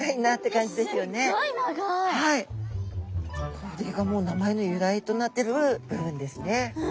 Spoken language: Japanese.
これがもう名前の由来となってる部分ですね。